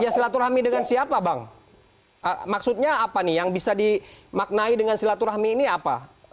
silaturahmi dengan siapa bang maksudnya apa nih yang bisa dimaknai dengan silaturahmi ini apa